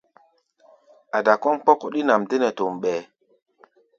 Ada kɔ́ʼm kpɔ́kɔ́ɗí nʼam dé nɛ tom ɓɛɛ́.